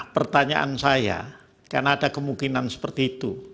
pertanyaan saya karena ada kemungkinan seperti itu